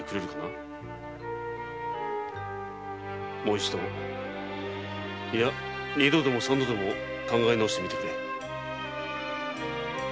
もう一度いや二度でも三度でも考え直してみてくれ。